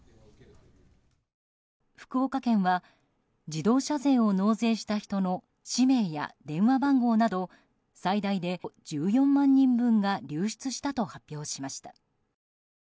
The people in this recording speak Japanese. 福岡県は自動車税を納税した人の氏名や電話番号など最大で、１４万人分が流出したと発表しました。